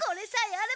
あれ？